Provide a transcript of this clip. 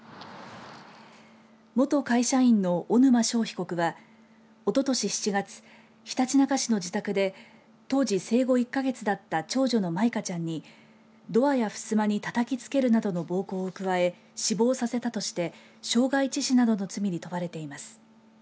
元会社員の小沼勝被告はことし７月ひたちなか市の自宅で当時、生後１か月だった長女の舞香ちゃんにドアやふすまにたたきつけるなどの暴行を加え死亡させたとして傷害致死などの罪に問われています。